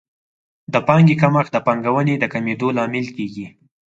د پانګې کمښت د پانګونې د کمېدو لامل کیږي.